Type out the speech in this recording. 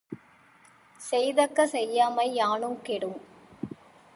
செய்தக்க செய்யாமை யானுங் கெடும்.